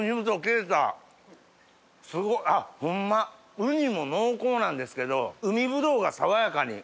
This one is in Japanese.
すごいあっホンマウニも濃厚なんですけど海ぶどうが爽やかに。